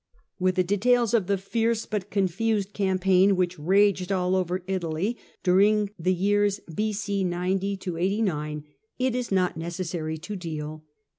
With the details of the fierce but confused campaign which raged all over Italy during the years B.c. 90 89 it is not necessary to deal.